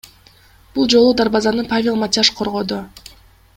Бул жолу дарбазаны Павел Матяш коргоду.